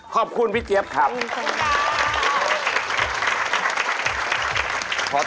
ขอบคุณพี่เจี๊ยบครับขอบคุณค่ะ